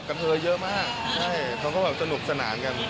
กะเทยเยอะมากเขาก็แบบสนุกสนานกัน